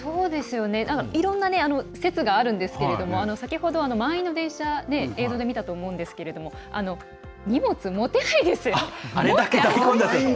いろんな説があるんですけど先ほど満員の電車で映像で見たと思うんですが荷物、持てないですよね。